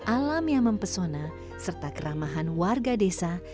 alam yang mempesona serta keramahan warga desa